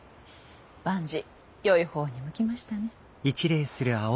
万事よいほうにいきましたね。